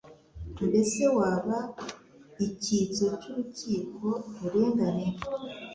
Mbese waba icyitso cy’urukiko rurenganya